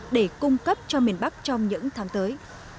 để cung cấp cho miền bắc trong những tháng tới